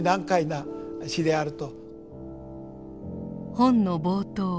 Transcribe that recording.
本の冒頭